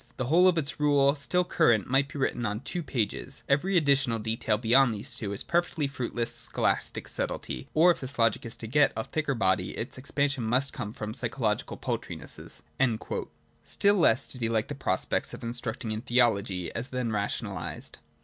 The whole of its rules, still current, might be written on two pages : every additional detail beyond these two is perfectly fruitless scholastic subtlety ;— or if this logic is to get a thicker body, its expansion must come from psycho logical paltrinesses.' Still less did he like the prospect of instructing in theology, as then rationalised.